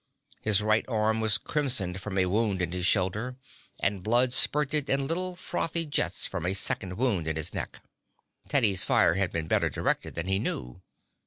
His right arm was crimsoned from a wound in his shoulder, and blood spurted in little frothy jets from a second wound in his neck. Teddy's fire had been better directed than he knew.